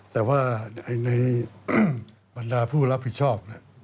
แต่ว่าในบรรดาผู้รับผิดชอบ